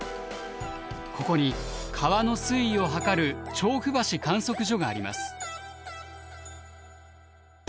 ここに川の水位を測る調布橋観測所があります。